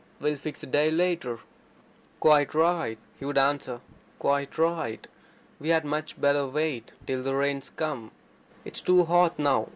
We'll fix a day later." "Quite right," he would answer. "Quite right. We had much better wait till the rains come. It's too hot now.